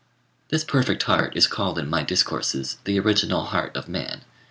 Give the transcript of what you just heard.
This perfect heart is called in my discourses, "the original heart of man."